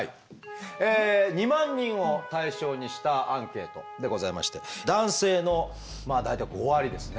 ２万人を対象にしたアンケートでございまして男性の大体５割ですね